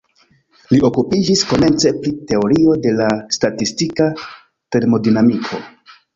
Li okupiĝis komence pri teorio de la statistika termodinamiko.